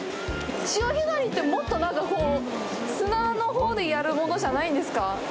潮干狩りって、もっとなんかこう砂のほうでやるものじゃないんですか？